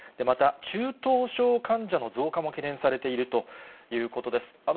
また、中等症患者の増加も懸念されているということです。